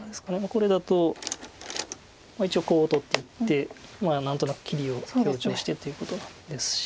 これだと一応コウを取っていって何となく切りを強調してということですし。